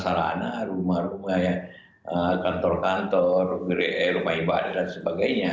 sarana rumah rumah kantor kantor rumah ibadah dan sebagainya